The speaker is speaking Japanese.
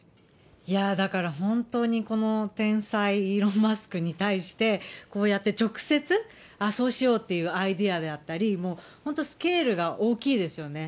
だから、本当にこの天才、イーロン・マスクに対して、こうやって直接、そうしようというアイデアであったり、本当にスケールが大きいですよね。